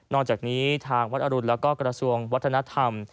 จากนี้ทางวัดอรุณแล้วก็กระทรวงวัฒนธรรม